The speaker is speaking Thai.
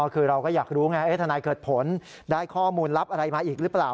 คือเราก็อยากรู้ไงทนายเกิดผลได้ข้อมูลลับอะไรมาอีกหรือเปล่า